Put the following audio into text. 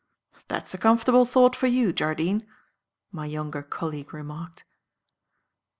"That's a comfortable thought for you, Jardine," my younger colleague remarked.